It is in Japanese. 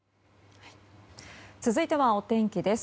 続いてはお天気です。